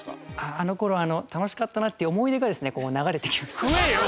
あの頃楽しかったなっていう思い出がですね流れていきます。